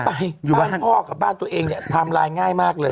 ไปอยู่บ้านพ่อกับบ้านตัวเองเนี่ยไทม์ไลน์ง่ายมากเลย